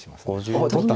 お取った。